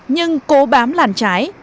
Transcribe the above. nhưng cố bám làn trái